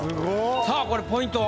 さぁこれポイントは？